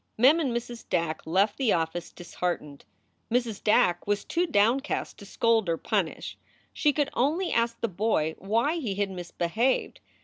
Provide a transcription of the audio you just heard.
Mem and Mrs. Dack left the office disheartened. Mrs. Dack was too downcast to scold or punish. She could only ask the boy why he had misbehaved.